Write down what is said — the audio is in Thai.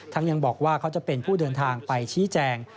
ยังบอกว่าเขาจะเป็นผู้เดินทางไปชี้แจง